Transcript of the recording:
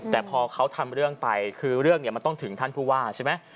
แต่พอเขาทำเรื่องไปคือเรื่องเนี่ยมันต้องถึงท่านผู้ว่าใช่ไหม